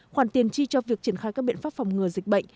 khoản tiền chi cho việc triển khai các biện pháp phòng ngừa dịch bệnh